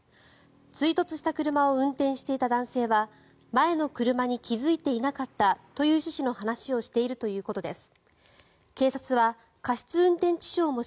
追突した車を運転していた男性は前の車に気付いていなかったという趣旨の話をしているということです。